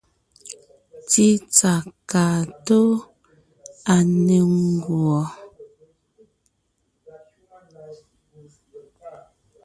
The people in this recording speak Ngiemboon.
Tsítsà kaa tóo, à ne ńguɔ.